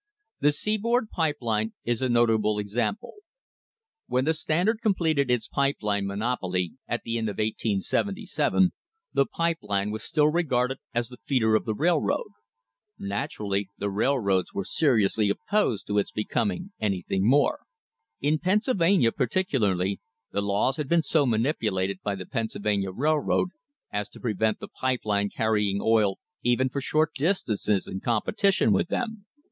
The seaboard pipe line is a notable ex ample. When the Standard completed its pipe line monopoly at the end of 1877, the pipe line was still regarded as the feeder of the railroad. Naturally the railroads were seriously THE LEGITIMATE GREATNESS OF THE COMPANY opposed to its becoming anything more. In Pennsylvania particularly the laws had been so manipulated by the Penn sylvania Railroad as to prevent the pipe line carrying oil even for short distances in competition with them.